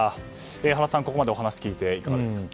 原さん、ここまでお話を聞いていかがですか？